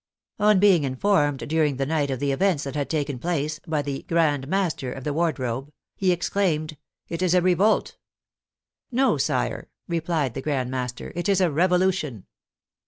On being informed during the night of the events that had taken place, by the " Grand Master of the Ward robe," he exclaimed " It is a revolt." " No, sire," replied the Grand Master, " it is a revolution."